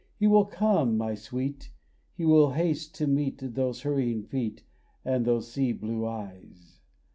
He will come, my sweet, And will haste to meet Those hurrying feet And those sea blue eyes.